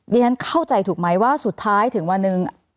ฉันเข้าใจถูกไหมว่าสุดท้ายถึงวันหนึ่ง